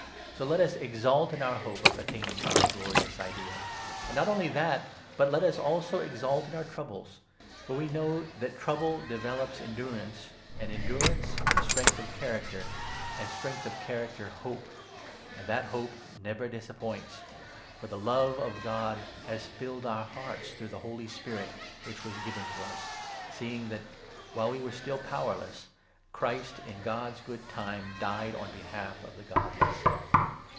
So let us exult in our hope of attaining God's glorious ideal. And not only that, but let us also exult in our troubles ; 3 for we know that trouble develops endurance, and endurance 4 strength of character, and strength of character hope, and that 5 'hope never disappoints.' For the love of God has filled our hearts through the Holy Spirit which was given us ; seeing 6 that, while we were still powerless, Christ, in God's good time, died on behalf of the godless.